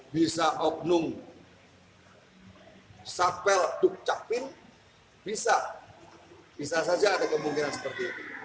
bisa oknum sapel dukcapil bisa bisa saja ada kemungkinan seperti itu